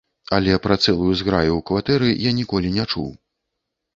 Але пра цэлую зграю ў кватэры я ніколі не чуў.